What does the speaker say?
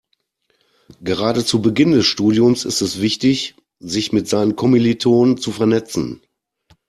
Gerade zu Beginn des Studiums ist es wichtig, sich mit seinen Kommilitonen zu vernetzen.